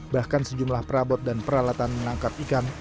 bahkan sejumlah perabot dan peralatan menangkap ikan